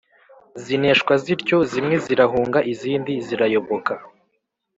zineshwa zityo, zimwe zirahunga izindi zirayoboka.